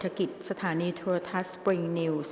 กรรมการท่านแรกนะคะได้แก่กรรมการใหม่เลขกรรมการขึ้นมาแล้วนะคะ